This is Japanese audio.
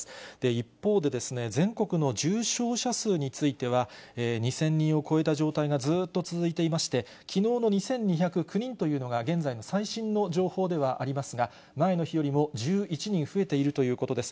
一方で、全国の重症者数については、２０００人を超えた状態がずっと続いていまして、きのうの２２０９人というのが、現在の最新の情報ではありますが、前の日よりも１１人増えているということです。